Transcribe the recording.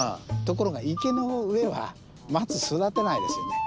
ところが池の上は松育たないですよね。